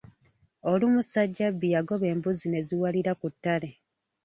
Olumu Ssajjabbi yagoba embuzi ne ziwalira ku ttale.